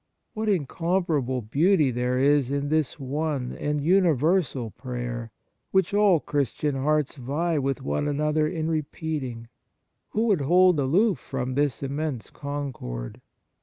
What incomparable beauty there is in this one and universal prayer, which all Christian hearts vie with one another in repeating ! Who would hold aloof from this immense concord